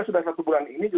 sudah satu bulan ini